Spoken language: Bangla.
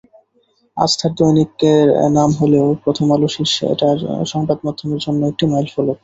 আস্থার দৈনিকের নাম হলেও প্রথম আলো শীর্ষে, এটা সংবাদমাধ্যমের জন্য একটি মাইলফলক।